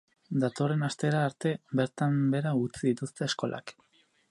Datorren astera arte bertan behera utzi dituzte eskolak.